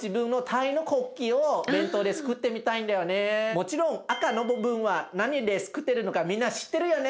もちろん赤の部分は何でつくってるのかみんな知ってるよね？